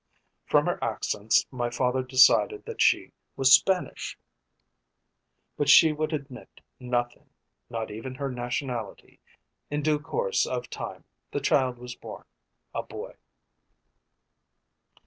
From her accents my father decided that she was Spanish, but she would admit nothing, not even her nationality. In due course of time the child was born, a boy."